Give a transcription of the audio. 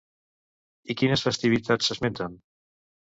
I quines festivitats s'esmenten?